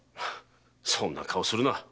そんな顔をするな。